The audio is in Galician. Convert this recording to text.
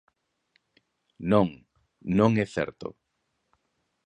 Non, non é certo.